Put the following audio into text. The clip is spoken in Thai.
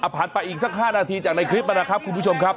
ผ่านไปอีกสัก๕นาทีจากในคลิปมานะครับคุณผู้ชมครับ